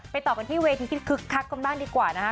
ไปต่อกันที่เวทีคึกคักก่อนด้านดีกว่านะฮะ